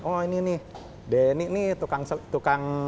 oh ini nih denny nih tukang